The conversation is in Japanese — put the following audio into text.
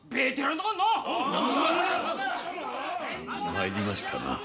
参りましたな。